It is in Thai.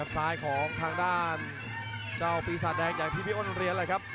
ซ้ายของทางด้านเจ้าปีศาจแดงอย่างที่พี่อ้นเรียนแหละครับ